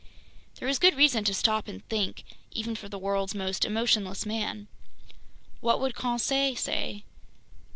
There was good reason to stop and think, even for the world's most emotionless man. What would Conseil say?